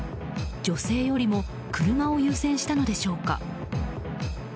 女性よりも車を優先したのでしょうか。